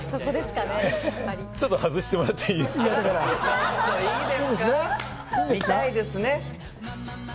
ちょっと外してもらっていい見たいですね。